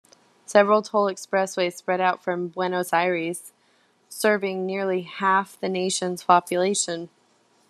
Several toll expressways spread out from Buenos Aires, serving nearly half the nation's population.